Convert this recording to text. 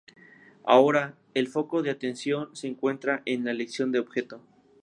Ahora, el foco de atención se encuentra en la elección de objeto.